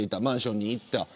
マンションに行った。